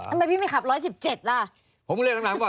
ทำไมพี่ไม่ขับ๑๑๗ล่ะ